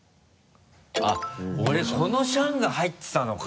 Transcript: あっ俺この「シャン」が入ってたのか。